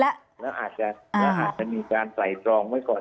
แล้วอาจจะมีการไตรตรองไว้ก่อน